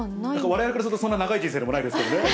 われわれからすると、そんな長い人生でもないですけどね。